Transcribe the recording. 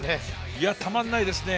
いやたまんないですね。